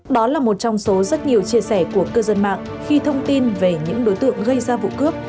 đó là một trong số rất nhiều chia sẻ của cư dân mạng khi thông tin về những đối tượng gây ra vụ cướp